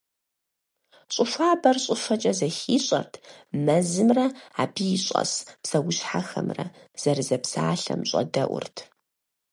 Щӏы хуабэр щӏыфэкӏэ зэхищӏэрт, мэзымрэ, абы щӏэс псэущхьэхэмрэ зэрызэпсалъэм щӏэдэӏурт.